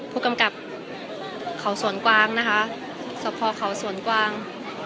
ผู้กำกับเขาสวนกวางนะคะสะพอเขาสวนกวาง